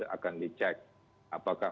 akan dicek apakah